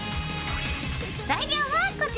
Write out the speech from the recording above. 材料はこちら。